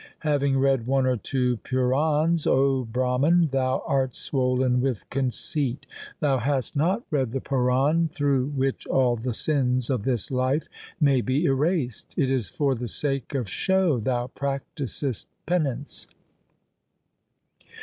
Having read one or two Purans, O Brahman, thou art swollen with conceit. Thou hast not read the Puran through which all the sins of this life may be erased. It is for the sake of show thou practisest penance.